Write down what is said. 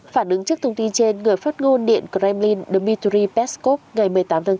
phản ứng trước thông tin trên người phát ngôn điện kremlin dmitry peskov ngày một mươi tám tháng bốn